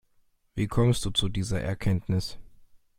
Wie kommst du zu dieser Erkenntnis?